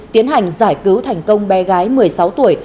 tiến hành giải cứu thành công bé gái một mươi sáu tuổi